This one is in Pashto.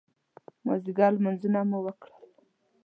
مازدیګر لمونځونه مو وکړل.